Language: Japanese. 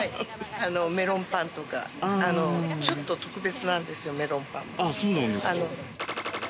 メロンパンとかちょっと特別なんですよ、メロンパン。